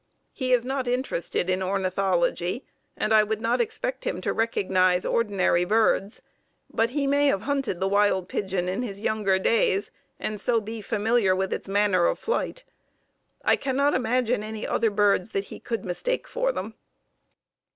He is not interested in ornithology and I would not expect him to recognize ordinary birds, but he may have hunted the wild pigeon in his younger days and so be familiar with its manner of flight. I cannot imagine any other birds that he could mistake for them.